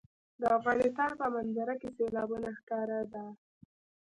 د افغانستان په منظره کې سیلابونه ښکاره ده.